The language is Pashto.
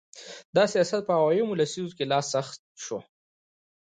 دا سیاست په ویاو لسیزه کې لا سخت شو.